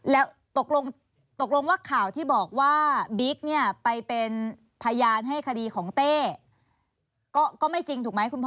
แล้วตกลงตกลงว่าข่าวที่บอกว่าบิ๊กเนี่ยไปเป็นพยานให้คดีของเต้ก็ไม่จริงถูกไหมคุณพ่อ